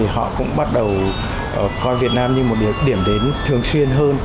họ cũng bắt đầu coi việt nam như một điểm đến thường xuyên hơn